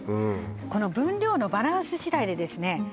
この分量のバランス次第でですね